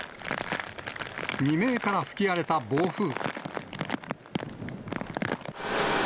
未明から吹き荒れた暴風。